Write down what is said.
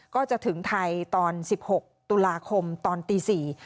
ก็จะถึงไทยตอน๑๖ตุลาคมตอนตี๔